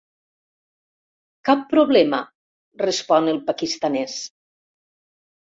Cap problema —respon el paquistanès—.